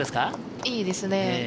いいですね。